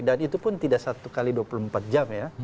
dan itu pun tidak satu kali dua puluh empat jam ya